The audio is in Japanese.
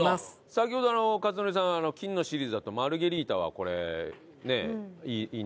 先ほど克典さんは金のシリーズだとマルゲリータはこれねいいんだよと。